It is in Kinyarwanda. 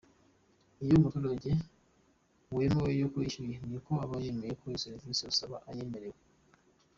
Iyo umuturage wemeye ko yishyuye, ni uko uba wemera ko iyo serivisi agusaba ayemerewe.